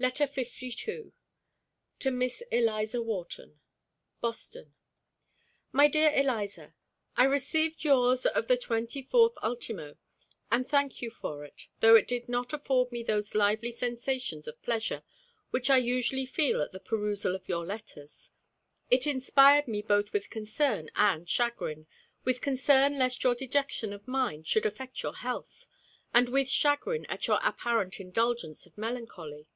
LETTER LII. TO MISS ELIZA WHARTON. BOSTON. My dear Eliza: I received yours of the 24th ult., and thank you for it, though it did not afford me those lively sensations of pleasure which I usually feel at the perusal of your letters. It inspired me both with concern and chagrin with concern lest your dejection of mind should affect your health, and with chagrin at your apparent indulgence of melancholy.